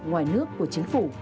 ngoài nước của chính phủ